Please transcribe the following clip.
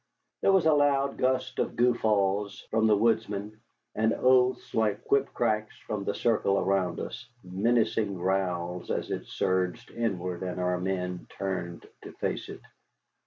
There was a loud gust of guffaws from the woodsmen, and oaths like whip cracks from the circle around us, menacing growls as it surged inward and our men turned to face it.